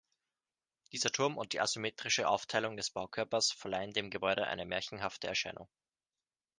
Dieser Turm und die asymmetrische Aufteilung des Baukörpers verleihen dem Gebäude eine „märchenhafte“ Erscheinung.